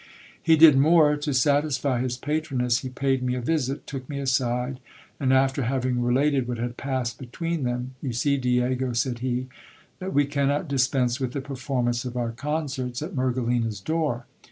He did more : to satisfy his patroness he paid me a visit, took me aside, and after having related what had passed between them — You see, Diego, said he, that we cannot dispense with the performance of our' concerts at Mergelina's door.